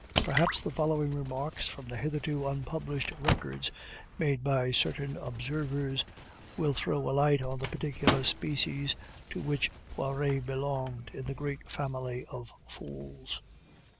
Perhaps the following remarks from the hitherto unpublished records made by certain observers will throw a light on the particular species to which Poiret belonged in the great family of fools.